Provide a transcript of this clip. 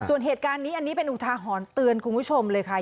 ส่วนเหตุการณ์นี้อันนี้เป็นอุทาหรณ์เตือนคุณผู้ชมเลยค่ะ